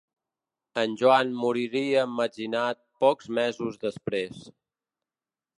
En Joan moriria emmetzinat pocs mesos després.